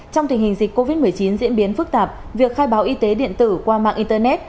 trong tình hình dịch covid một mươi chín diễn biến phức tạp việc khai báo y tế điện tử qua mạng internet